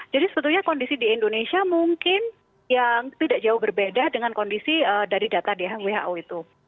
jadi sebetulnya kondisi di indonesia mungkin yang tidak jauh berbeda dengan kondisi dari data who itu